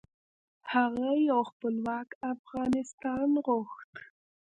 هغه یو خپلواک افغانستان غوښت .